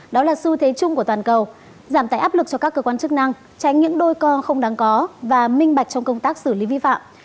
đó là xu thế chung của toàn cầu giảm tải áp lực cho các cơ quan chức năng tránh những đôi co không đáng có và minh bạch trong công tác xử lý vi phạm